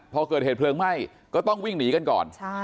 พอเกิดเหตุเพลิงไหม้ก็ต้องวิ่งหนีกันก่อน